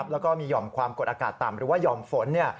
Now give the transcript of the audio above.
แล้วก็มีห่อมความกดอากาศต่ำหรือว่าหย่อมฝน